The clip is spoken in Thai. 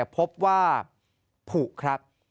พบว่าผูกครับ